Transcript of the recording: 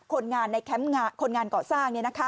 คนงานก่อสร้าง